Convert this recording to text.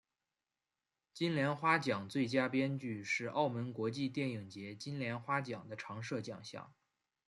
金莲花奖最佳编剧是澳门国际电影节金莲花奖的常设奖项。